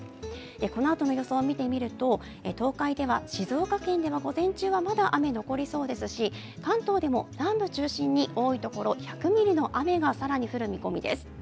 このあとの予想を見てみると東海では、静岡県では午前中はまだ雨残りそうですし関東でも南部中心に多いところ１００ミリの雨が更に降る見込みです。